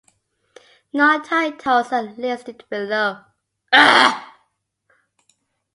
Known titles are listed below.